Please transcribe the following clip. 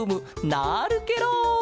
なるケロ！